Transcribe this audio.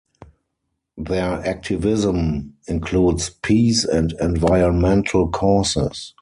Their activism includes peace and environmental causes.